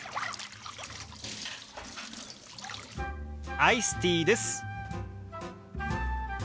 アイスティーです。